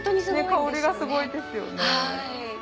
香りがすごいですよね。